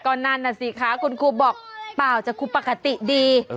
ก็นั่นน่ะสิคะคุณครูบอกเปล่าจากครูปกติดี